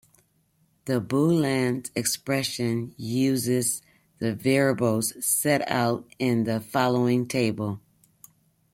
The Boolean expression uses the variables set out in the following table.